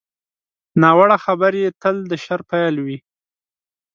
ناوړه خبرې تل د شر پیل وي